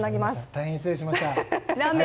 大変失礼しました。